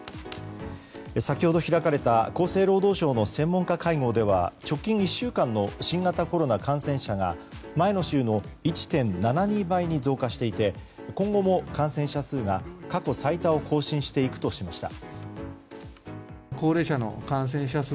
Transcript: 先ほど開かれた厚生労働省の専門家会合では直近１週間の新型コロナ感染者が前の週の１．７２倍に増加していて今後も感染者数が過去最多を更新していくとしました。